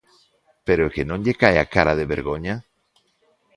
¿Pero é que non lle cae a cara de vergoña?